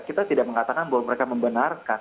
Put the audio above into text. kita tidak mengatakan bahwa mereka membenarkan